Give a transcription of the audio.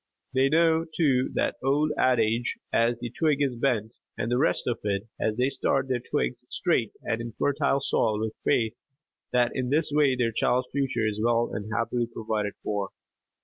They know, too, that old adage "as the twig is bent," and the rest of it, so they start their twigs straight and in fertile soil with faith that in this way their child's future is well and happily provided for.